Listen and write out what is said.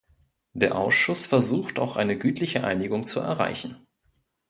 Der Ausschuss versucht auch eine gütliche Einigung zu erreichen.